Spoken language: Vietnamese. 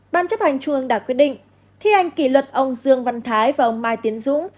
ban chấp hành trung ương đảng quyết định thi hành kỷ luật ông dương văn thái và ông mai tiến dũng